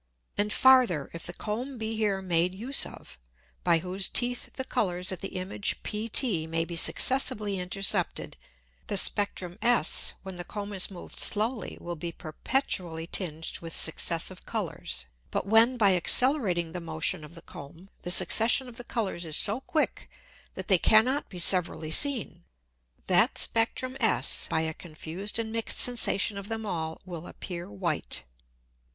] And farther, if the Comb be here made use of, by whose Teeth the Colours at the Image PT may be successively intercepted; the Spectrum S, when the Comb is moved slowly, will be perpetually tinged with successive Colours: But when by accelerating the Motion of the Comb, the Succession of the Colours is so quick that they cannot be severally seen, that Spectrum S, by a confused and mix'd Sensation of them all, will appear white.